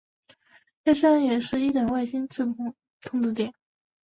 该山也是一等卫星控制点。